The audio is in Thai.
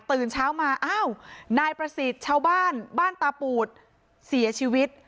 ตื่นเช้ามาอ้าวนายประสิทธิ์ชาวบ้านบ้านตาปูดเสียชีวิต